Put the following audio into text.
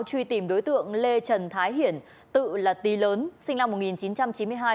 truy tìm đối tượng lê trần thái hiển tự là tý lớn sinh năm một nghìn chín trăm chín mươi hai